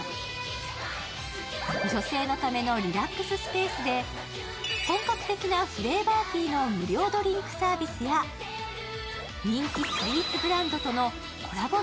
女性のためのリラックススペースで本格的なフレーバーティーの無料ドリンクサービスや人気スイーツブランドとのコラボ